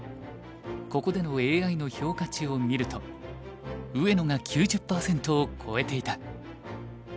ここでのＡＩの評価値を見ると上野が９０％を超えていた。